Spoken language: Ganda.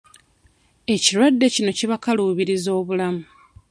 Ekirwadde kino kibakaluubirizza obulamu.